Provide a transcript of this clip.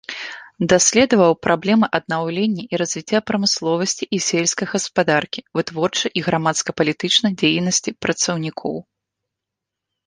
Даследаваў праблемы аднаўлення і развіцця прамысловасці і сельскай гаспадаркі, вытворчай і грамадска-палітычнай дзейнасці працаўнікоў.